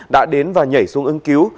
đã đến và nhảy xuống ứng cứu